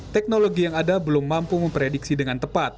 teknologi yang ada belum mampu memprediksi dengan tepat